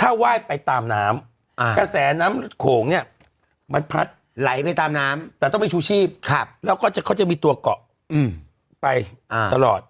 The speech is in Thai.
ถ้าไหว้ไปตามน้ำกระแสน้ำโขงเนี่ยมันพัดไหลไปตามน้ำแต่ต้องเป็นชูชีพแล้วก็เขาจะมีตัวเกาะไปตลอด